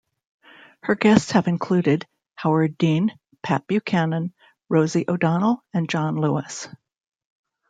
Her guests have included Howard Dean, Pat Buchanan, Rosie O'Donnell and John Lewis.